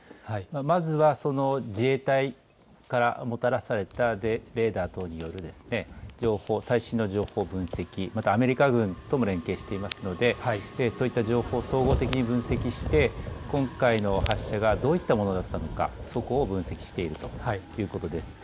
まずは、自衛隊からもたらされたレーダー等による情報、最新の情報を分析、またアメリカ軍とも連携しているのでそういった情報を総合的に分析して今回の発射がどういったものだったのか、そこを分析しているということです。